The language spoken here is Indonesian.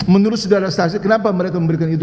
menurut saudara saksi kenapa mereka memberikan itu